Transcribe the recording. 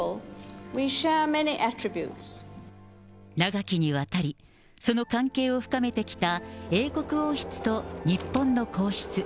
長きにわたり、その関係を深めてきた英国王室と日本の皇室。